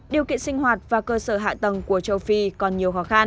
điều kiện sinh hoạt và cơ sở hạ tầng của châu phi còn nhiều khó khăn